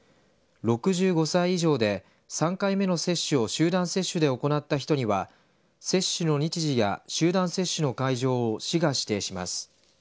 ６５歳以上で３回目の接種を集団接種で行った人には接種の日時や集団接種の会場を市が指定します。